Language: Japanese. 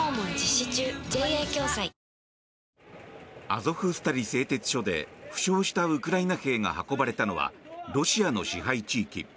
アゾフスタリ製鉄所で負傷したウクライナ兵が運ばれたのはロシアの支配地域。